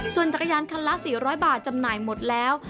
ส่วนยักษณะลาคันละ๔๐๐บาทจำนายหมดแล้ว